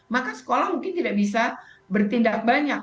maka sekolah mungkin tidak bisa bertindak banyak